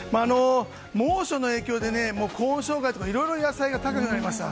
猛暑の影響で高温障害とかいろいろ野菜が高くなりました。